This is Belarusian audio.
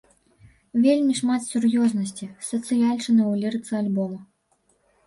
Вельмі шмат сур'ёзнасці, сацыяльшчыны ў лірыцы альбома.